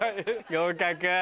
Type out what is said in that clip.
合格。